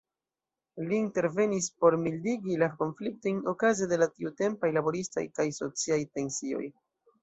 Li intervenis por mildigi la konfliktojn okaze de la tiutempaj laboristaj kaj sociaj tensioj.